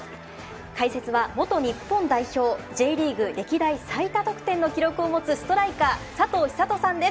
解説は元日本代表Ｊリーグ歴代最多得点の記録を持つストライカー佐藤寿人さんです。